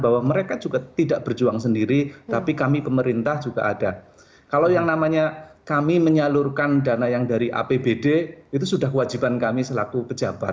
bahwa mereka juga tidak berjuang sendiri tapi kami pemerintah juga ada kalau yang namanya kami menyalurkan dana yang dari apbd itu sudah kewajiban kami selaku pejabat